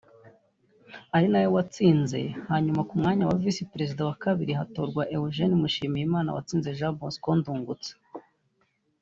ari nawe watsinze hanyuma ku mwanya wa Visi Perezida wa Kabiri hatorwa Eugenie Mushimiyimana watsinze Jean Bosco Ndungutse